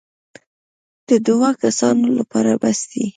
د دوو کسانو لپاره بس دی.